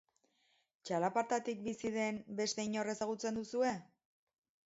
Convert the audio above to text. Txalapartatik bizi den beste inor ezagutzen duzue?